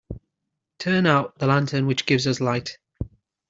Turn out the lantern which gives us light.